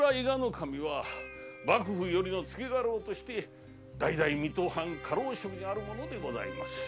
守は幕府よりの付家老として代々水戸藩家老職にある者でございます。